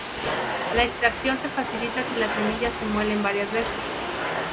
La extracción se facilita si las semillas se muelen varias veces.